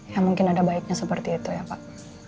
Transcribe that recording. ya mungkin ada baiknya seperti itu ya pak